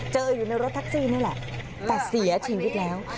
อยู่ในรถแท็กซี่นี่แหละแต่เสียชีวิตแล้ว